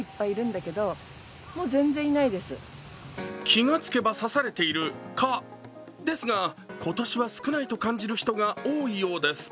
気がつけば差されている蚊ですが、今年は少ないと感じる人が多いようです。